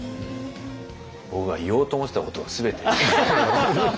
僕が言おうと思ってたことを全て。